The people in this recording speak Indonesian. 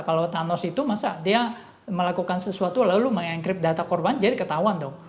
kalau thanos itu masa dia melakukan sesuatu lalu meng enkrip data korban jadi ketahuan dong